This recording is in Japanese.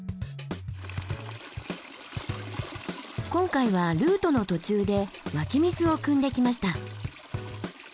今回はルートの途中で湧き水をくんできました。